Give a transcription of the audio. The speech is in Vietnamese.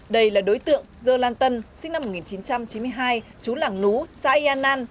đây là đối tượng dơ lan tân sinh năm một nghìn chín trăm chín mươi hai chú lảng nú xã yên an